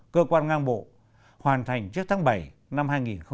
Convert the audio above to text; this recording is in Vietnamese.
cơ quan ngang bộ hoàn thành trước tháng bảy năm hai nghìn một mươi tám